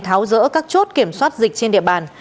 tháo rỡ các chốt kiểm soát dịch trên địa bàn